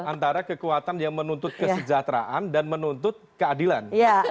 antara kekuatan yang menuntut kesejahteraan dan menuntut keadilan